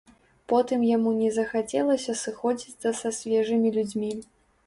Потым яму не захацелася сыходзіцца са свежымі людзьмі.